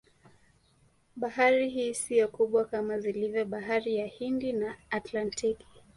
Bahari hii siyo kubwa sana kama zilivyo Bahari ya hindi na Atlantiki